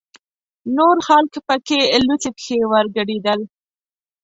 نور خلک پکې لوڅې پښې ورګډېدل.